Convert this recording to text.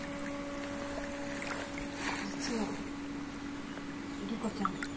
実は理子ちゃん